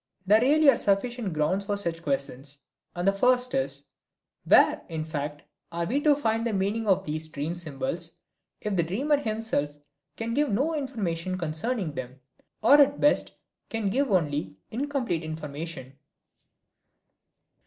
There really are sufficient grounds for such questions, and the first is, "Where, in fact, are we to find the meaning of these dream symbols if the dreamer himself can give no information concerning them, or at best can give only incomplete information?"